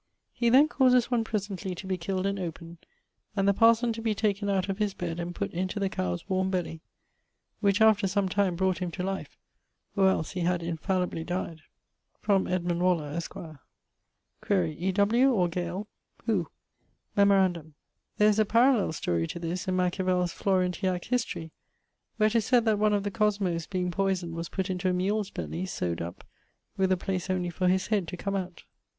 He then causes one presently to be killed and opened, and the parson[XXXV.] to be taken out of his bed and putt into the cowes warme belly, which after some time brought him to life, or els he had infallibly dyed. [XXXIV.] From Edmund Waller, esqre. [XXXV.] Quaere E. W. or Gale, who? Memorandum: there is a parallell storie to this in Machiavell's Florentiac History, where 'tis sayd that one of the Cosmo's being poysoned was putt into a mule's belly, sowed up, with a place only for his head to come out.